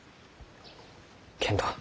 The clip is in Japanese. けんど。